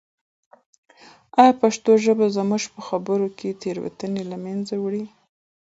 آیا پښتو ژبه زموږ په خبرو کې تېروتنې له منځه وړي؟